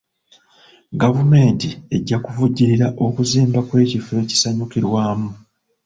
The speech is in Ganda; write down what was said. Gavumenti ejja kuvujjirira okuzimba kw'ekifo ekisanyukirwamu.